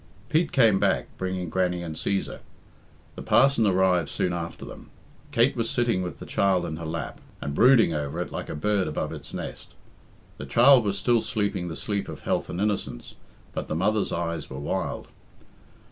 Pete came back, bringing Grannie and Cæsar. The parson arrived soon after them. Kate was sitting with the child in her lap, and brooding over it like a bird above its nest. The child was still sleeping the sleep of health and innocence, but the mother's eyes were wild.